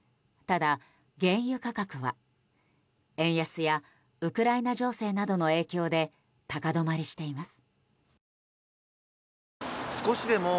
ただ、原油価格は円安やウクライナ情勢などの影響で高止まりしています。